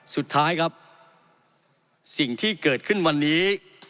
สุดท้ายครับสิ่งที่เกิดขึ้นวันนี้